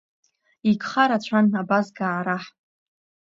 Игха рацәан абазгаа раҳ…